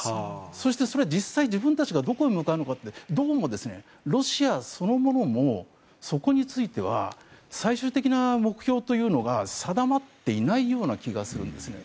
そしてそれは実際、自分たちがどこへ向かうのかどうもロシアそのものもそこについては最終的な目標というのが定まっていないような気がするんですね。